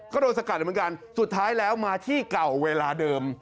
ก็โดนสกัดเหมือนกันสุดท้ายแล้วมาที่เก่าเวลาเดิม